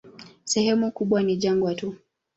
Sehemu kubwa ni jangwa tu.